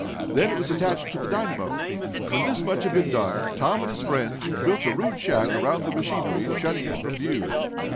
Then it was attached to the dynamo. When this much had been done, Tom and his friends built a rude shack around the machinery shutting it from view.